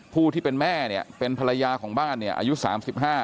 ผู้ที่เป็นแม่เนี่ยเป็นภรรยาของบ้านเนี่ยอายุสามสิบห้า